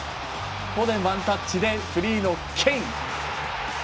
フォデンがワンタッチでフリーのケイン。